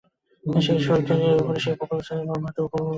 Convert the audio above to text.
সেই শৈলশিখরের উপরে সেই বকুলতরুচ্ছায়ায় মর্মাহত অমর বসিয়া আছেন।